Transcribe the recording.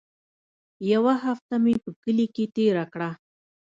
يوه هفته مې په کلي کښې تېره کړه.